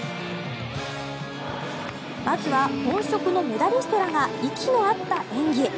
まずは本職のメダリストらが息の合った演技。